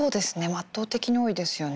圧倒的に多いですよね。